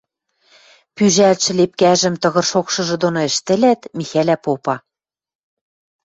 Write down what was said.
Пӱжалтшӹ лепкӓжӹм тыгыр шокшыжы доно ӹштӹлят, Михӓлӓ попа: